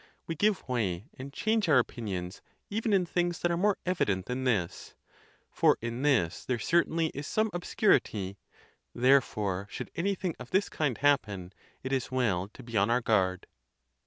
We give way and change our opinions even in things that are more evident than this; for in this there certainly is some ob security. Therefore, should anything of this kind happen, it is well to be on our guard.